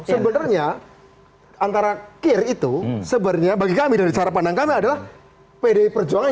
sebenarnya antara kir itu sebenarnya bagi kami dari cara pandang kami adalah pdi perjuangan